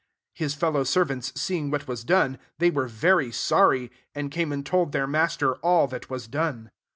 31 His fellow servants seeing what was done, they were very sorry ; and came and told their master all that was done.